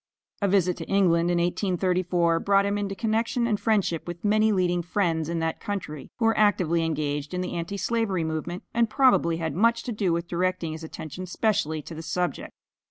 A visit to England, in 1834, brought him into connection and friendship with many leading Friends in that country, who were actively engaged in the Anti slavery movement, and probably had much to do with directing his attention specially to the subject.